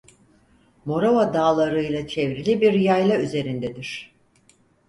Morava dağlarıyla çevrili bir yayla üzerindedir.